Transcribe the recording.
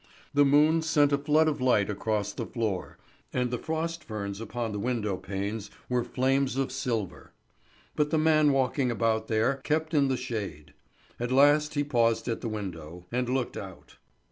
The moon sent a flood of light across the floor, and the frost ferns upon the window panes were flames of silver. But the man walking about there kept in the shade. At last he paused at the window, and looked out.